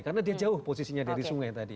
karena dia jauh posisinya dari sungai tadi